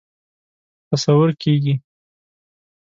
تصور کېږي.